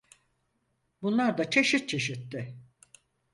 Bunlar da çeşit çeşitti.